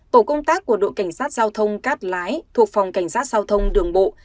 tổ công tác của đội cảnh sát giao thông cát lái thuộc phòng cảnh sát giao thông đường bộ